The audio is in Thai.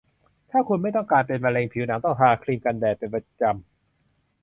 ถ้าคุณไม่ต้องการเป็นมะเร็งผิวหนัง ต้องทาครีมกันแดดเป็นประจำ